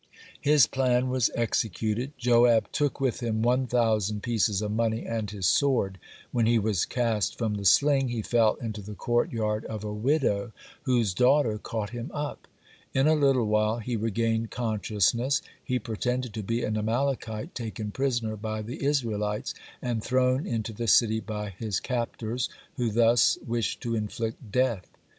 His plan was executed. Joab took with him one thousand pieces of money and his sword. When he was cast from the sling, he fell into the courtyard of a widow, whose daughter caught him up. In a little while he regained consciousness. He pretended to be an Amalekite taken prisoner by the Israelites, and thrown into the city by his captors, who thus wished to inflict death.